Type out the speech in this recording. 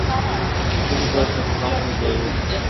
ايم ڪرو تو سب ڪوم سود ھوئي